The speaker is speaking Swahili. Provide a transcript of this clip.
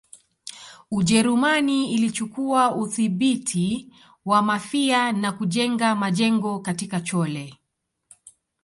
Ujerumani ilichukua udhibiti wa Mafia na kujenga majengo katika Chole